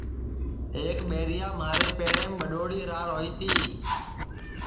ایک ٻیریا مھارے پیڑیم ٻڈؔوڑی راڑ ہوئی تی